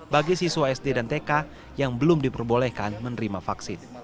bagi siswa sd dan tk yang belum diperbolehkan menerima vaksin